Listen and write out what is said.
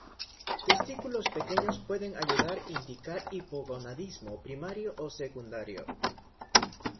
Testículos pequeños pueden ayudar indicar hipogonadismo primario o secundario.